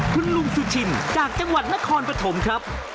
คุณลุงสุชินจากจังหวัดนครปฐมครับ